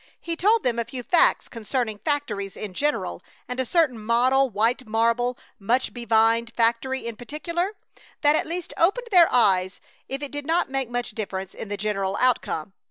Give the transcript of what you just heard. He told them a few facts concerning factories in general, and a certain model, white marble, much be vined factory in particular, that at least opened their eyes if it did not make much difference in the general outcome.